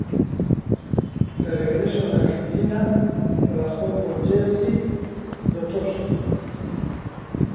De regreso en Argentina trabajó con Jerzy Grotowski.